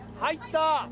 入った！